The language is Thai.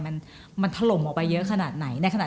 มันถล่มออกไปเยอะขนาดไหน